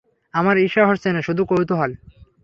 আমার ঈর্ষা হচ্ছে না, শুধুই কৌতূহল।